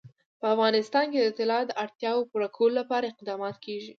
په افغانستان کې د طلا د اړتیاوو پوره کولو لپاره اقدامات کېږي.